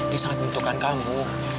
dia sangat butuhkan kamu